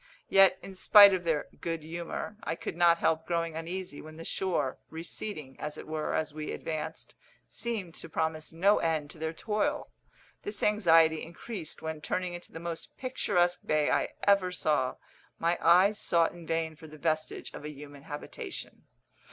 Yet, in spite of their good humour, I could not help growing uneasy when the shore, receding, as it were, as we advanced, seemed to promise no end to their toil. This anxiety increased when, turning into the most picturesque bay I ever saw, my eyes sought in vain for the vestige of a human habitation.